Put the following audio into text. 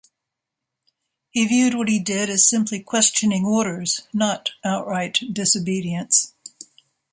He viewed what he did as simply questioning orders, not outright disobedience.